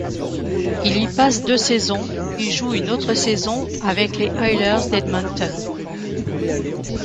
Il y passe deux saisons puis joue une autre saison avec les Oilers d'Edmonton.